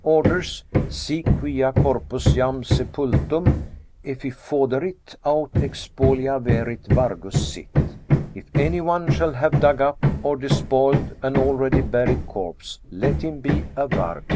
57) orders :" Si quia corpus jam sepultum efifoderit, aut expoliaverit, wargus sit." "If any one shall have dug up or despoiled an already buried corpse, let him be a varg."